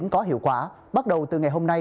có hiệu quả bắt đầu từ ngày hôm nay